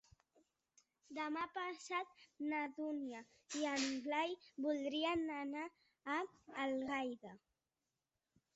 Demà passat na Dúnia i en Blai voldrien anar a Algaida.